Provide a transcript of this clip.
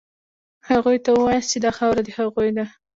هغوی ته ووایاست چې دا خاوره د هغوی ده.